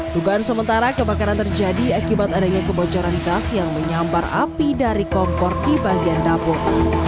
dugaan sementara kebakaran terjadi akibat adanya kebocoran gas yang menyambar api dari kompor di bagian dapur